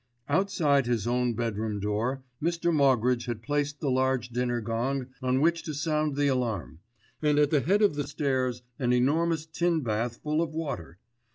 Outside his own bedroom door Mr. Moggridge had placed the large dinner gong on which to sound the alarm, and at the head of the stairs an enormous tin bath full of water.